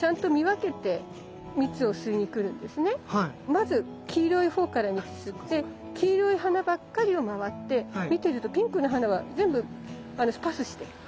まず黄色い方から吸って黄色い花ばっかりを回って見てるとピンクの花は全部パスしてる。